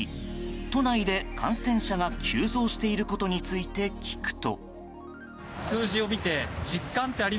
都内で感染者が急増していることについて聞くと。